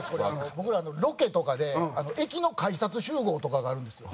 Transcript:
僕らロケとかで駅の改札集合とかがあるんですよ。